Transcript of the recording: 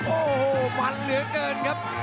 โอ้โหมันเหลือเกินครับ